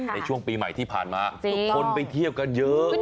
ในช่วงปีใหม่ที่ผ่านมาคนไปเที่ยวกันเยอะ